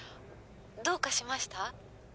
どうかしました？」